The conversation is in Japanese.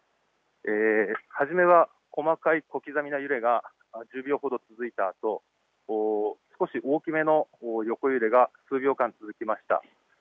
初めは細かい小刻みな揺れが１０秒ほど続いたあと少し大きめの横揺れが数秒間続きました。